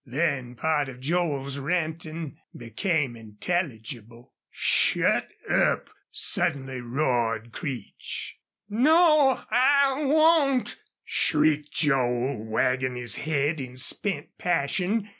Then part of Joel's ranting became intelligible. "Shut up!" suddenly roared Creech. "No, I won't!" shrieked Joel, wagging his head in spent passion.